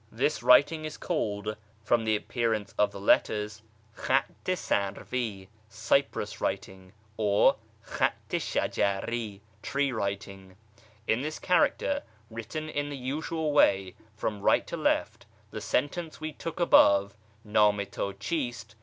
This writing is called, from the appearance of the letters, Jchaft i sarvi {" cypress writing ") or IhaU i shajari (" tree writing "). Tn this character (written, in the usual way, from right to left) the sentence which we took above (" ndm i tit chist?")